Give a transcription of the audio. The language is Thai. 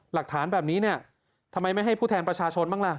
หลักฐานแบบนี้เนี่ยทำไมไม่ให้ผู้แทนประชาชนบ้างล่ะ